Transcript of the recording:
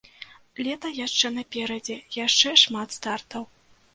Лета яшчэ наперадзе, яшчэ шмат стартаў.